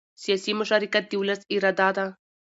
سیاسي مشارکت د ولس اراده ده